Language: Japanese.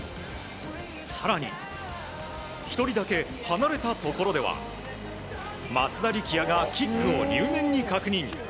更に、１人だけ離れたところでは松田力也がキックを入念に確認。